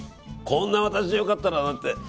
「こんな私でよかったら」なんて。